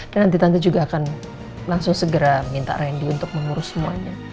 dan nanti tante juga akan langsung segera minta randy untuk mengurus semuanya